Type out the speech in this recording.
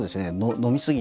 飲み過ぎて。